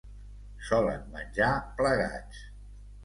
solen menjar plegats